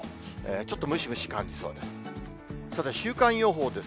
ちょっとムシムシ感じそうです。